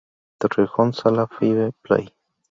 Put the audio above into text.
Torrejón Sala Five Play.